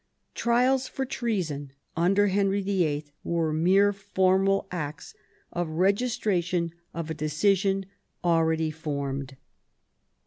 Trials for treason under Henry VIII. were mere formal acts of regis tration of a decision already formed.